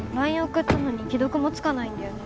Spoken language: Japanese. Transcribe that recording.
ＬＩＮＥ送ったのに既読もつかないんだよね